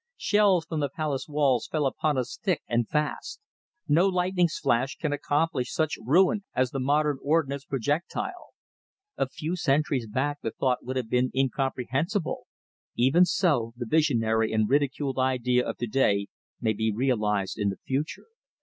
Shells from the palace walls fell upon us thick and fast. No lightning's flash can accomplish such ruin as the modern ordnance projectile. A few centuries back the thought would have been incomprehensible; even so the visionary and ridiculed idea of to day may be realised in the future.